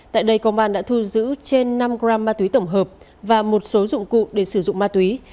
tại đây công an đã thu giữ trên năm gram ma túy tổng hợp và một số dụng cụ để sử dụng ma túy